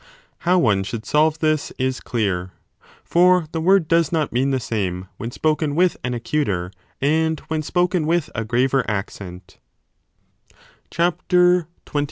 How one should solve this, is clear : for the word does not mean the same when spoken with an acuter and when spoken with a graver accent.